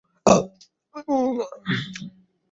তিনি প্রতিদিন লিঙ্গরাজ মন্দিরে যেতেন।